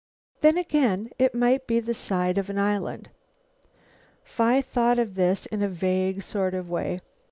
Then again it might be the side of an island. Phi thought of this in a vague sort of way.